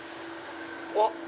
あっ！